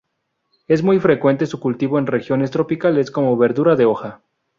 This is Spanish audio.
Es muy frecuente su cultivo en regiones tropicales como verdura de hoja.